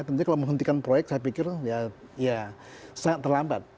tentunya kalau menghentikan proyek saya pikir ya sangat terlambat